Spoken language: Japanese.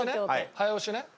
早押しね？